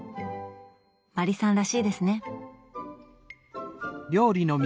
麻里さんらしいですね。